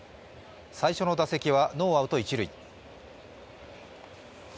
最初の打席はノーアウト一塁。